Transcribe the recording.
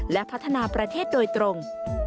และพัฒนาประเทศโดยตรง